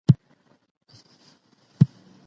د دې جملو په اړه که نور څه مرسته پکار وي؟